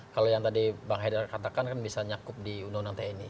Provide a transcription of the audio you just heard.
kalau yang tadi bang haidar katakan kan bisa nyakup di undang undang tni